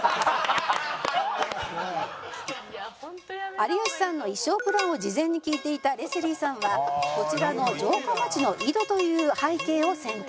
「有吉さんの衣装プランを事前に聞いていたレスリーさんはこちらの城下町の井戸という背景を選択」